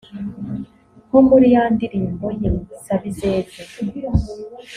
(nko muri ya ndirimbo) “Ye Sabizeze